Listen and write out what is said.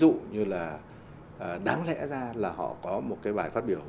ví dụ như là đáng lẽ ra là họ có một cái bài phát biểu